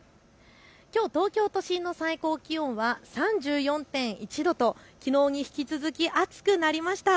きょう東京都心の最高気温は３４．１度ときのうに引き続き暑くなりました。